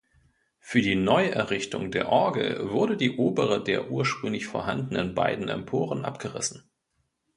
Für die Neuerrichtung der Orgel wurde die obere der ursprünglich vorhandenen beiden Emporen abgerissen.